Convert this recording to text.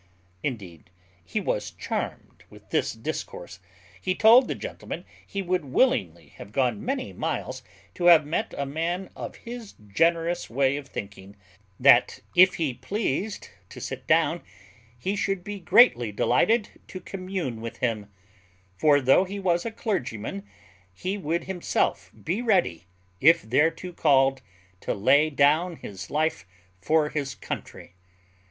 Indeed he was charmed with this discourse; he told the gentleman he would willingly have gone many miles to have met a man of his generous way of thinking; that, if he pleased to sit down, he should be greatly delighted to commune with him; for, though he was a clergyman, he would himself be ready, if thereto called, to lay down his life for his country.